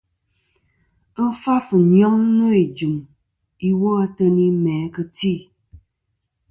Ghɨ fàf ɨnyoŋ nô ɨnjɨm iwo ateyni mæ kɨ tî.